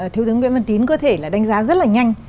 thiếu tướng nguyễn văn tín có thể là đánh giá rất là nhanh